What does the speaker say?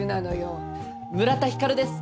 村田光です。